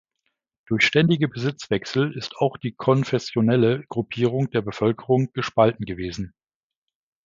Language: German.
Durch ständige Besitzwechsel ist auch die konfessionelle Gruppierung der Bevölkerung gespalten gewesen.